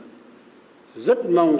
rất mong các đồng chí